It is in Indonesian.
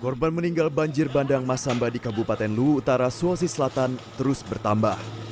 korban meninggal banjir bandang masamba di kabupaten luwutara suwasi selatan terus bertambah